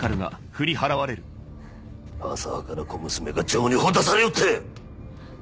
浅はかな小娘が情にほだされよって！